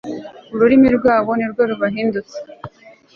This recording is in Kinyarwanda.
ururimi rwabo ni rwo rubahindutse